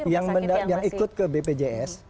yang ikut ke bpjs